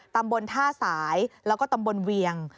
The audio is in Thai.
ตำบลท่าสายแล้วก็ตำบลเวียง